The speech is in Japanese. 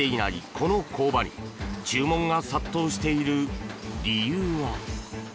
この工場に注文が殺到している理由は。